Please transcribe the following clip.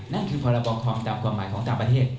นั่นคือพรบคอมตามความหมายของต่างประเทศ